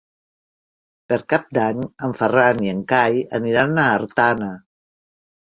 Per Cap d'Any en Ferran i en Cai aniran a Artana.